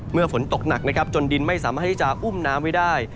เมื่อฝนตกหนักจนดินไม่สามารถที่จะอุ้มน้ำไว้ได้